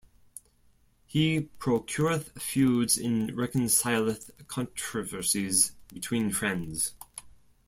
He procureth feuds and reconcileth controversies between friends.